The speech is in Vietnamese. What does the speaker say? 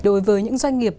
đối với những doanh nghiệp